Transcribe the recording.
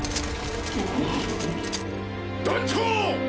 ・団長！